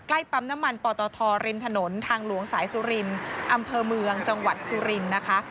ปั๊มน้ำมันปตทริมถนนทางหลวงสายสุรินอำเภอเมืองจังหวัดสุรินทร์นะคะ